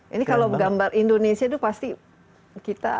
ini kalau gambar indonesia itu pasti kita